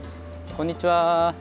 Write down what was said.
こんにちは。